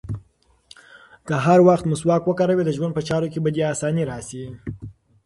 که هر وخت مسواک وکاروې، د ژوند په چارو کې به دې اساني راشي.